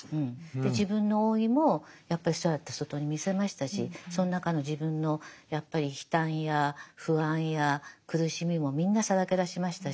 で自分の老いもやっぱりそうやって外に見せましたしその中の自分のやっぱり悲嘆や不安や苦しみもみんなさらけ出しましたし。